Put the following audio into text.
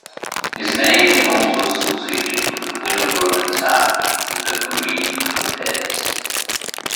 His name is also associated with the Winawer Attack in the Ruy Lopez.